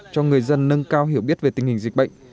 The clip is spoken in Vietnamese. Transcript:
cho người dân nâng cao hiểu biết về tình hình dịch bệnh